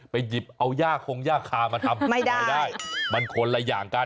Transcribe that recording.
หยิบเอาย่าคงย่าคามาทำไม่ได้มันคนละอย่างกัน